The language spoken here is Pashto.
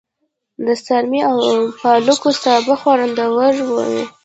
د څارمي او پالکو سابه خوندور وي.